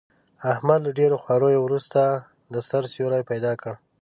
احمد له ډېرو خواریو ورسته، د سر سیوری پیدا کړ.